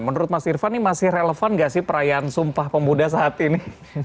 menurut mas irvan ini masih relevan nggak sih perayaan sumpah pemuda saat ini